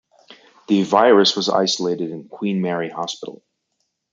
The virus was isolated in Queen Mary Hospital.